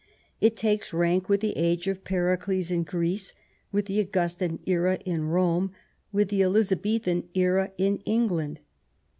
It takes rank with the age of Pericles in Greece, with the Augustan era in Bome, with the Elizabethan era in England.